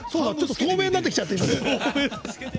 透明になってきちゃってる。